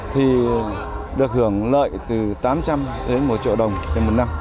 thì được hưởng lợi từ tám trăm linh đến một triệu đồng trên một năm